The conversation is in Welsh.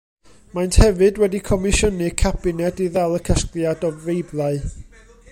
Maent hefyd wedi comisiynu cabined i ddal y casgliad o Feiblau.